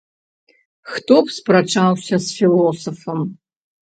Хто б спрачаўся з філосафам!